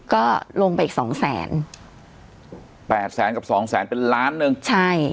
ก็ลงไปอีกสองแสนแปดแสนกับสองแสนเป็นล้านหนึ่งใช่